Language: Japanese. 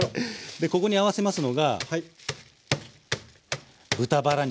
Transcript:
でここに合わせますのが豚バラ肉でございます。